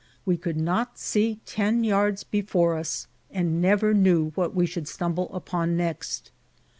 We could not see ten yards before us, and never knew what we should stumble upon next.